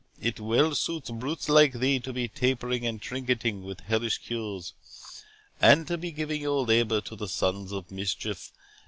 It well suits brutes like thee to be tampering and trinketing with hellish cures, and to be giving your labour to the sons of mischief.